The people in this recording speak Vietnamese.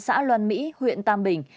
xã loan mỹ huyện tam bình